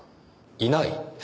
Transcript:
いない？